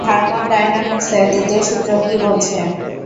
থার্মোডায়নামিক্সের দ্বিতীয় সূত্র কী বলছে?